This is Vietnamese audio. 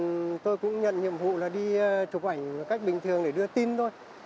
ở lúc đó thì tôi cũng nhận nhiệm vụ là đi chụp ảnh cách bình thường để đưa tin thôi